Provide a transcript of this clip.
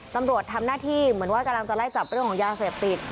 ตำรวจทำหน้าที่เหมือนว่ากำลังจะไล่จับเรื่องของยาเสพติด